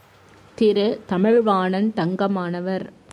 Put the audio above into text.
Thiru Tamilvanan தங்கமானவர்.